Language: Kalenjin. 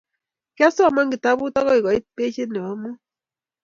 Kiasomana kitabu akot koit pajit nebo amut